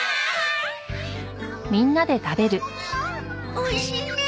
おいしいね。